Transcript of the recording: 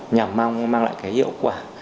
nhằm mang lại hiệu quả